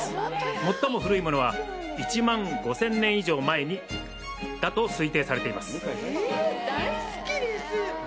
最も古いものは１万５０００年前以上前だと推定されています。